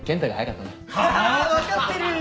分かってるぅ。